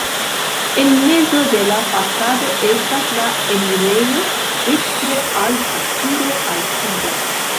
En mezo de la fasado estas la enirejo, dekstre alta turo altiĝas.